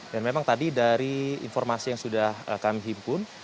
dan memang tadi dari informasi yang sudah kami himpun